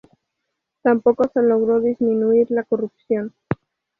Tampoco se logró disminuir la corrupción.